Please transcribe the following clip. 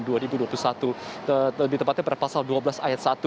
di tempatnya berpasal dua belas ayat satu